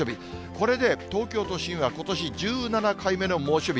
これで東京都心はことし１７回目の猛暑日。